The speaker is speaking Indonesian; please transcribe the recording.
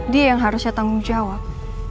dia yang harusnya tanggung jawab